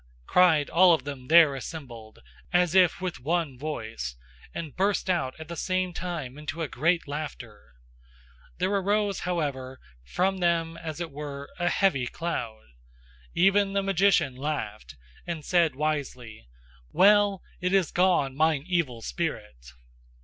cried all of them there assembled, as if with one voice, and burst out at the same time into a great laughter; there arose, however, from them as it were a heavy cloud. Even the magician laughed, and said wisely: "Well! It is gone, mine evil spirit!